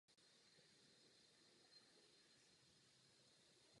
Vyjadřuje také sympatie k Rusku a je pro zrušení evropských sankcí proti Rusku.